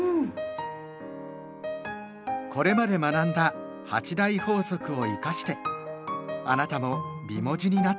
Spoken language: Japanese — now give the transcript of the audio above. これまで学んだ「８大法則」を生かしてあなたも美文字になって下さい。